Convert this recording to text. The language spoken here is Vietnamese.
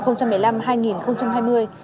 nhiệm kỳ hai nghìn một mươi năm hai nghìn hai mươi